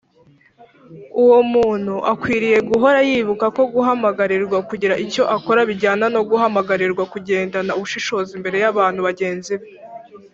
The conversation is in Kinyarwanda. uwo muntu akwiriye guhora yibuka ko guhamagarirwa kugira icyo akora bijyana no guhamagarirwa kugendana ubushishozi imbere y’abantu bagenzi be.